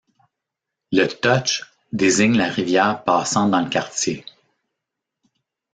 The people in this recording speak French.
Le Touch désigne la rivière passant dans le quartier.